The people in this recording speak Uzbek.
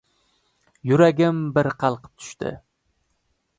Yuragim bir qalqib tushdi.